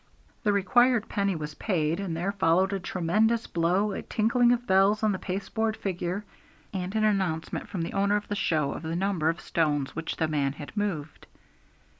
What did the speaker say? The required penny was paid, and there followed a tremendous blow, a tinkling of bells on the pasteboard figure, and an announcement from the owner of the show of the number of stones which the man had moved.